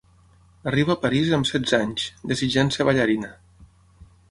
Arriba a París amb setze anys, desitjant ser ballarina.